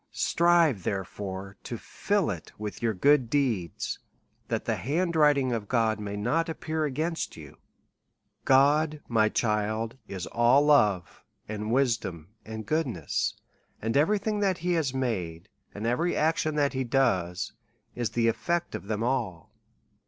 Strive, therefore, to fill it with your good deeds that the hand writing of God may not appear against you. God, my child, is all love, and wisdom, and good ness ; and every thing that he has made, and every ac tion that he does, is the etfectof them all.